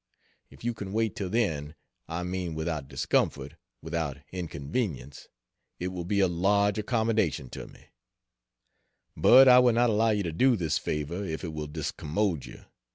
If you can wait till then I mean without discomfort, without inconvenience it will be a large accommodation to me; but I will not allow you to do this favor if it will discommode you.